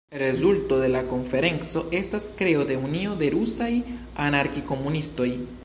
Rezulto de la konferenco estas kreo de "Unio de rusaj anarki-komunistoj".